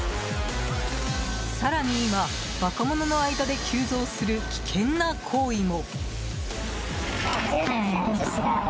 更に今、若者の間で急増する危険な行為も。